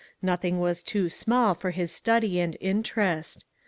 Nothing was too small for his study and interest.